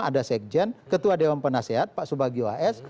ada sekjen ketua dewan penasehat pak subagio as